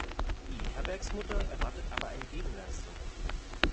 Die Herbergsmutter erwartet aber eine Gegenleistung.